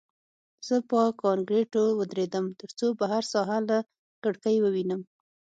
زه په کانکریټو ودرېدم ترڅو بهر ساحه له کړکۍ ووینم